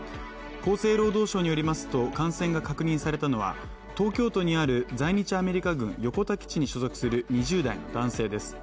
厚生労働省によりますと感染が確認されたのは東京都にある在日アメリカ軍横田基地に所属する２０代の男性です。